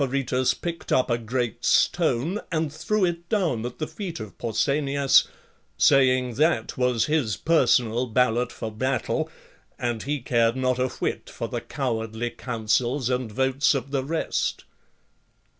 3 7 Amompharetus picked up a great stone and threw it down at the feet of Pausanias, saying that was his person ballot for battle, and he cared not a whit or the cowardly counsels and votes of the rest.